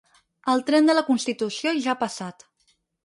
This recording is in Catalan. El tren de la constitució ‘ja ha passat’